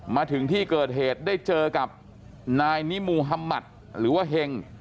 มาถึงที่เกิดเหตุได้เจอกับนายนิมูฮัมมัติหรือว่าเห็ง